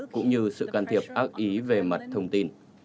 cũng như sự can thiệp ác ý về mặt thông tin